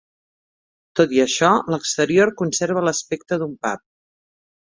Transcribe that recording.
Tot i això, l'exterior conserva l'aspecte d'un pub.